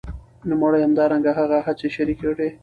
نوموړي همدرانګه هغه هڅي شریکي کړې